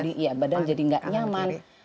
iya badan jadi nggak nyaman